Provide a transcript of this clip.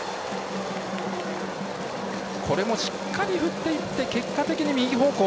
これもしっかり振っていって結果的に右方向。